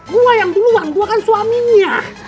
gue yang duluan gue kan suaminya